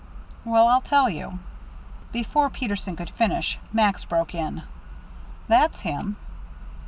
"Well, I'll tell you " Before Peterson could finish, Max broke in: "That's him."